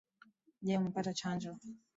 Je umepata chanjo?